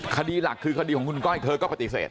คดีหลักคือคดีของคุณก้อยเธอก็ปฏิเสธ